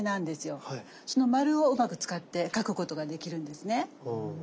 その丸をうまく使って描くことができるんですね。